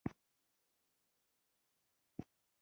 چې ښځه فطري کمزورې پيدا شوې ده